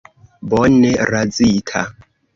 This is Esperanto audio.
Bone razita.